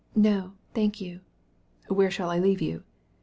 "No, thank you!" "Where shall I take you?"